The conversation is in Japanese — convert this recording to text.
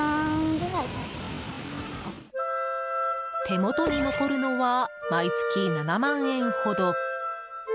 手元に残るのは毎月７万円ほど。